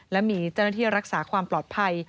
และมีเจ้าหน้าที่รักษาความปลอดภัย